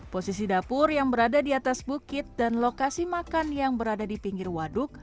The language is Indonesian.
posisi dapur yang berada di atas bukit dan lokasi makan yang berada di pinggir waduk